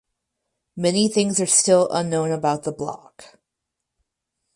Many things are still unknown about the bloc.